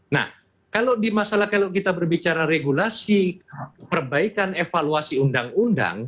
nah kalau di masalah kalau kita berbicara regulasi perbaikan evaluasi undang undang